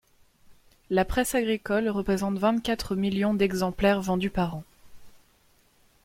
La presse agricole représente vingt quatre millions d'exemplaires vendus par an.